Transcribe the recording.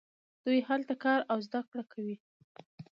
دوی هلته کار او زده کړه کوي.